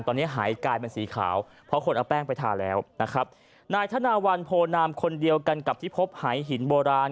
ตอนนี้หายกลายเป็นสีขาวเพราะคนเอาแป้งไปทาแล้วนะครับนายธนาวันโพนามคนเดียวกันกับที่พบหายหินโบราณ